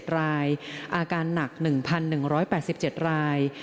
๗รายอาการหนัก๑๑๘๗ราย